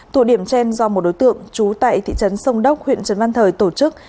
tụ điểm trên do một đối tượng trú tại thị trấn sông đốc huyện trần văn thời tổ chức